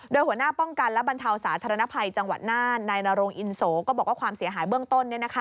โดยหัวหน้าป้องกันและบรรเทาสาธารณภัยจังหวัดน่านนายนรงอินโสก็บอกว่าความเสียหายเบื้องต้น